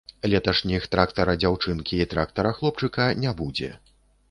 Леташніх трактара-дзяўчынкі і трактара-хлопчыка не будзе.